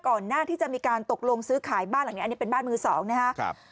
ก่อนหน้าที่จะมีการตกลงซื้อขายบ้านแหละอันนี้เป็นบ้านมือ๒นะคะ